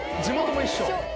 地元も一緒。